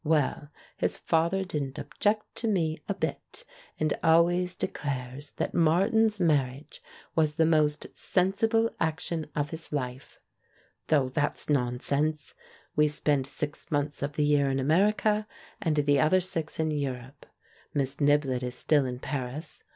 Well, his father didn't object to me a bit, and always declares that Mar tin's marriage was the most sensible action of his life. Though that's nonsense. We spend six months of the year in America, and the other six in Europe. Miss Niblett is still in Paris.